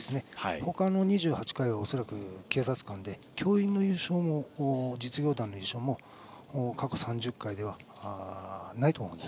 ほかの２８回は、恐らく警察官で教員の優勝も実業団の優勝も過去３０回ではないと思います。